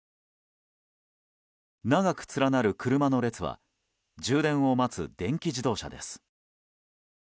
長く連なる車の列は充電を待つ電気自動車です。